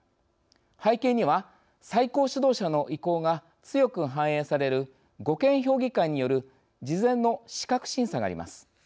背景には最高指導者の意向が強く反映される護憲評議会による事前の資格審査があります。